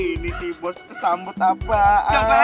ini si bos kesambut apaan